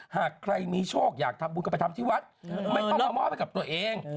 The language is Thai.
หากใครมีโชคอยากทำบุญก็ไปทำที่วัดไม่ต้องมามอบให้กับตัวเอง